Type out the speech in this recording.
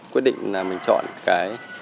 quyết định là mình chọn cái